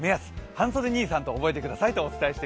半袖兄さんと覚えてください。